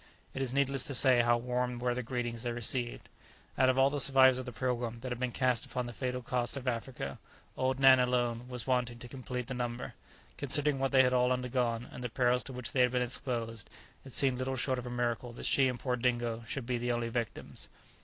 It is needless to say how warm were the greetings they received. Out of all the survivors of the "Pilgrim" that had been cast upon the fatal coast of Africa, old Nan alone was wanting to complete the number. Considering what they had all undergone, and the perils to which they had been exposed, it seemed little short of a miracle that she and poor Dingo should be the only victims.